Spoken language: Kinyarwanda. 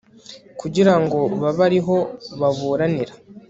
kugirango babe ariho baburanira